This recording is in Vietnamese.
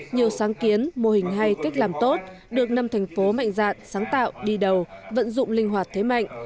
nhiều sáng kiến mô hình hay cách làm tốt được năm thành phố mạnh dạng sáng tạo đi đầu vận dụng linh hoạt thế mạnh